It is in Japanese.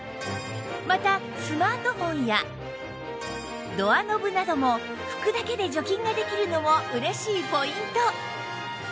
またスマートフォンやドアノブなども拭くだけで除菌ができるのも嬉しいポイント